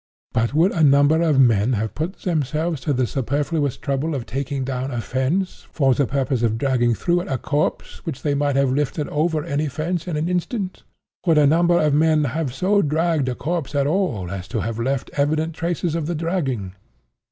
But would a number of men have put themselves to the superfluous trouble of taking down a fence, for the purpose of dragging through it a corpse which they might have lifted over any fence in an instant? Would a number of men have so dragged a corpse at all as to have left evident traces of the dragging?